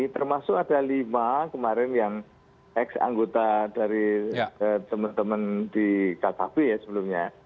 termasuk ada lima kemarin yang ex anggota dari teman teman di kkb ya sebelumnya